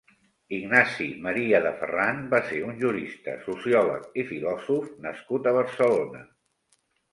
Ignasi Maria de Ferran va ser un jurista, sociòleg i filòsof nascut a Barcelona.